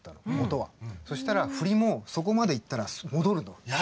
そしたら振りもそこまでいったら戻るの。